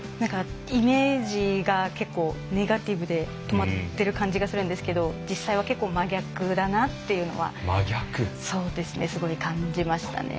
イメージが結構ネガティブで止まってる感じがするんですけど実際は結構、真逆だなってのはすごい感じましたね。